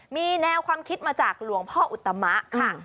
มีแนวความคิดมาจากหลวงพ่ออุตมะค่ะ